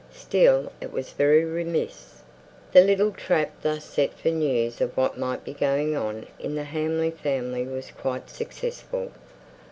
Still it was very remiss." The little trap thus set for news of what might be going on in the Hamley family was quite successful.